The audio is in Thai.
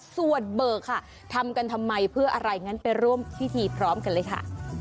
สวดเบิกค่ะทำกันทำไมเพื่ออะไรงั้นไปร่วมพิธีพร้อมกันเลยค่ะ